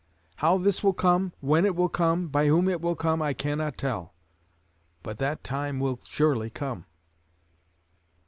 How this will come, when it will come, by whom it will come, I cannot tell; but that time will surely come."